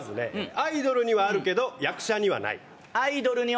アイドルにはあるけど役者にはない。